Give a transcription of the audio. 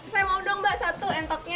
saya mau dong mbak satu entoknya